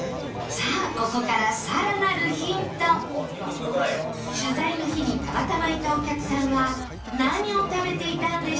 さあここから取材の日にたまたまいたお客さんは何を食べていたんでしょう？